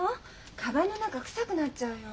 かばんの中臭くなっちゃうよ。